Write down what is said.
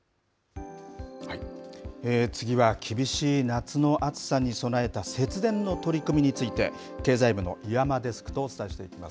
次は厳しい夏の暑さに備えた節電の取り組みについて、経済部の岩間デスクとお伝えしていきます。